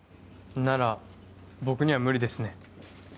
なら僕には無理ですね。